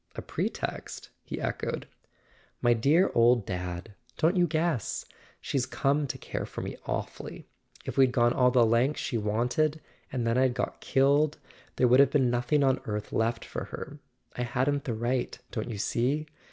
"A pretext?" he echoed. "My dear old Dad—don't you guess? She's come to care for me awfully; if we'd gone all the lengths she wanted, and then I'd got killed, there would have been nothing on earth left for her. I hadn't the right, don't you see